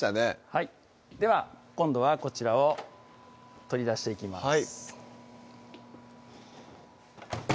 はいでは今度はこちらを取り出していきます